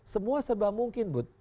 semua seba mungkin bud